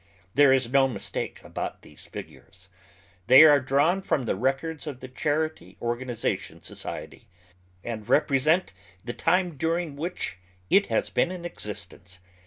There is no mistake about these figures. They are drawn from the records of the Charity Organization Society, and represent the time during which it has been in existence.